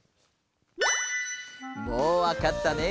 もうわかったね？